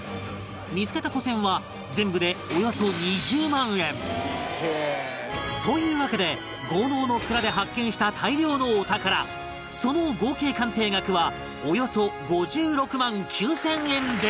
見つけた古銭は全部でおよそ２０万円というわけで豪農の蔵で発見した大量のお宝その合計鑑定額はおよそ５６万９０００円でした